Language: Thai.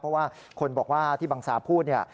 เพราะว่าคนบอกว่าที่บังซาพูดเนี่ย